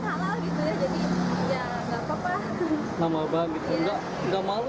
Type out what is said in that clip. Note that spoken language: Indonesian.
namabah gitu gak malu tuh dengan teman teman nih